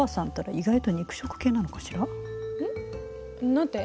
何て？